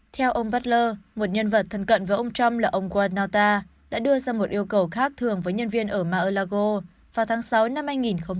theo ông butler một nhân vật thân cận với ông trump là ông guadalta đã đưa ra một yêu cầu khác thường với nhân viên ở mar a lago vào tháng sáu năm hai nghìn hai mươi hai